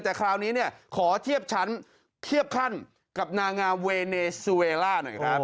แต่คราวนี้เนี่ยขอเทียบชั้นเทียบขั้นกับนางงามเวเนซูเวล่าหน่อยครับ